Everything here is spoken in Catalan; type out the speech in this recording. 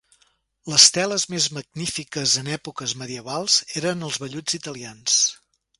Les teles més magnífiques en èpoques medievals eren els velluts italians.